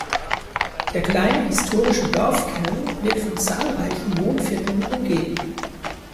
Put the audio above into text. Der kleine historische Dorfkern wird von zahlreichen Wohnvierteln umgeben.